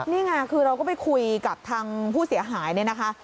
นี่ไงคือเราก็ไปคุยกับทางผู้เสียหายเนี่ยนะคะ